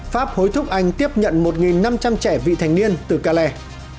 pháp hối thúc anh tiếp nhận một năm trăm linh trẻ vị thành niên từ kale